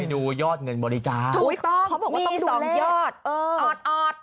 คนไปดูยอดเงินบริการถูกต้องมีสองยอดเออออดอด